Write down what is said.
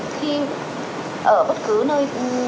khi ở bất cứ nơi